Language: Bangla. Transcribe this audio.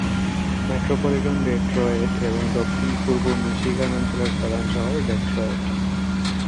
মেট্রোপলিটন ডেট্রয়েট এবং দক্ষিণ-পূর্ব মিশিগান অঞ্চলের প্রধান শহর ডেট্রয়েট।